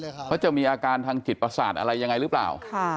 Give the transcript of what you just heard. เขาจะมีอาการทางจิตประสาทอะไรยังไงหรือเปล่า